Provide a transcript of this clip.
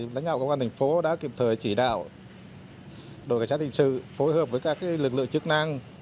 lãnh đạo công an thành phố đã kịp thời chỉ đạo đội cảnh sát thành sự phối hợp với các lực lượng chức năng